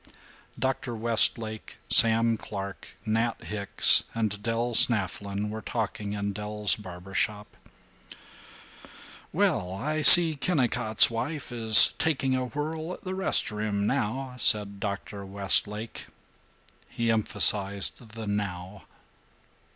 III Dr. Westlake, Sam Clark, Nat Hicks, and Del Snafflin were talking in Del's barber shop. "Well, I see Kennicott's wife is taking a whirl at the rest room, now," said Dr. Westlake. He emphasized the "now."